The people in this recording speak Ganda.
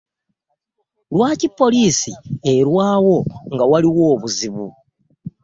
Lwaki poliisi erwawo nga waliwo obuzibu?